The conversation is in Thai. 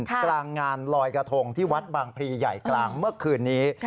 กลางงานลอยกระทงที่วัดบางพรีใหญ่กลางเมื่อคืนนี้